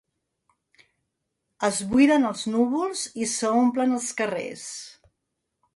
Es buiden els núvols i s'omplen els carrers.